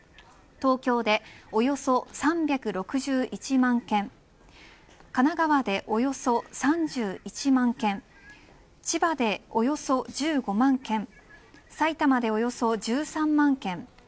東京でおよそ３６１万軒神奈川でおよそ３１万件千葉でおよそ１５万軒埼玉でおよそ１３万軒